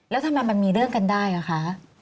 แล้วทำไมมันมีเรื่องกันได้อ่ะคะ